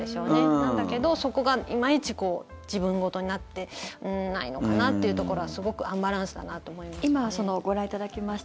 なんだけど、そこがいまいち自分事になってないのかなっていうところはすごくアンバランスだなと思いますね。